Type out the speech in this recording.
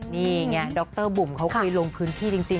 นี่ไงดรบุ๋มเขาเคยลงพื้นที่จริง